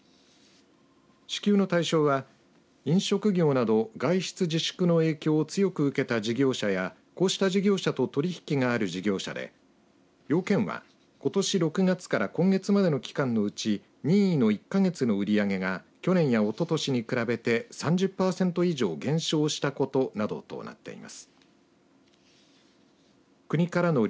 支給の対象は飲食業など外出自粛の影響を強く受けた事業者やこうした事業者と取り引きがある事業者で要件は、ことし６月から今月までの期間のうち任意の１か月の売り上げが去年や、おととしに比べて３０パーセント以上減少したことなどとなっています。